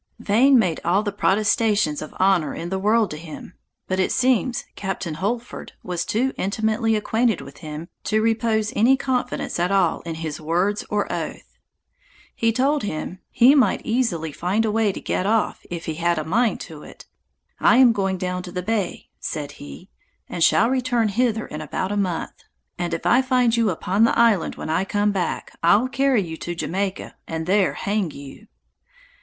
Vane made all the protestations of honor in the world to him; but, it seems, Captain Holford was too intimately acquainted with him, to repose any confidence at all in his words or oaths. He told him, "He might easily find a way to get off, if he had a mind to it: I am going down the bay," said he, "and shall return hither in about a month, and if I find you upon the island when I come back, I'll carry you to Jamaica, and there hang you."